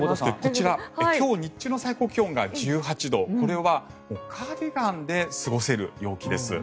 こちら今日、日中の最高気温が１８度これはカーディガンで過ごせる陽気です。